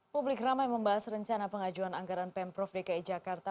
publik ramai membahas rencana pengajuan anggaran pemprov dki jakarta